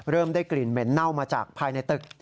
ได้กลิ่นเหม็นเน่ามาจากภายในตึก